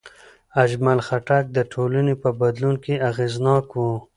اجمل خټک د ټولنې په بدلون کې اغېزناک و.